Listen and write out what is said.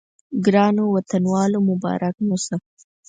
ګرانو وطنوالو مبارک مو شه.